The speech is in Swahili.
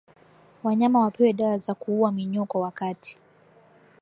Wanyama wapewe dawa za kuuwa minyoo kwa wakati